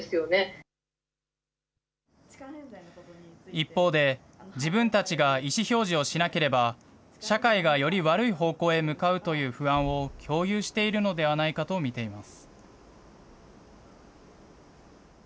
一方で、自分たちが意思表示をしなければ、社会がより悪い方向へ向かうという不安を共有しているのではないかと見ています。